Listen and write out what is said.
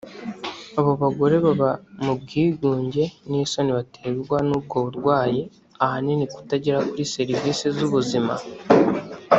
Abo bagore baba mu bwigunge n’isoni baterwa n’ubwo burwayi ahanini kutagera kuri serivisi z’ubuzima